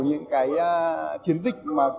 những cái chiến dịch